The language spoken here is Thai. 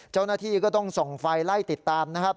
เจ้าหน้าที่ก็ต้องส่องไฟไล่ติดตามนะครับ